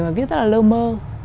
mà viết rất là lơ mơ